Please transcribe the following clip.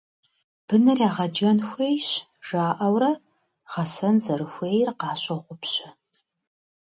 «Быныр егъэджэн хуейщ» жаӀэурэ, гъэсэн зэрыхуейр къащогъупщэ.